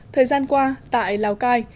thời gian qua tại lào cai